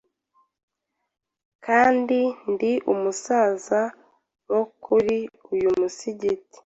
kandi ndi mu basaza bo kuri uyu musigiti